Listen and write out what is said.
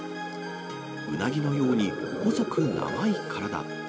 ウナギのように細く長い体。